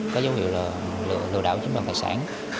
có dấu hiệu là lừa đảo chính đoàn tài sản